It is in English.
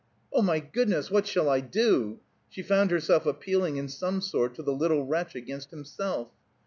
"Oh, my goodness, what shall I do?" She found herself appealing in some sort to the little wretch against himself.